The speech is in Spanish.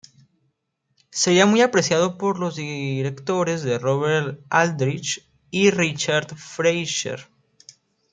Sería muy apreciado por los directores Robert Aldrich y Richard Fleischer.